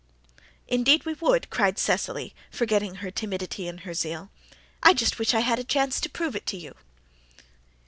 "Indeed we would," cried Cecily, forgetting her timidity in her zeal. "I just wish I had a chance to prove it to you."